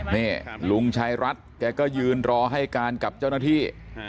นี่ลุงชายรัฐแกก็ยืนรอให้การกับเจ้าหน้าที่